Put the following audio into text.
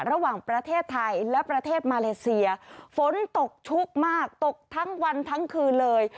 ระหว่างประเทศไทยและประเทศมาเลเซียฝนตกชุกมากตกทั้งวันทั้งคืนเลย